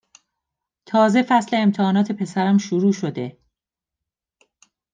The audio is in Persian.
تازه فصل امتحانات پسرم شروع شده